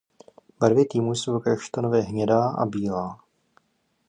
Barvy týmu jsou kaštanově hnědá a bílá.